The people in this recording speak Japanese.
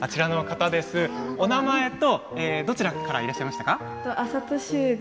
お名前とどちらからいらっしゃいましたか。